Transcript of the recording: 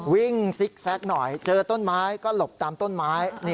ซิกแซคหน่อยเจอต้นไม้ก็หลบตามต้นไม้